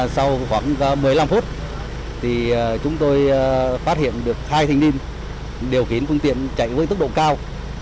sau khoảng một mươi năm phút chúng tôi phát hiện được hai thanh niên điều khiển phương tiện chạy với tốc độ cao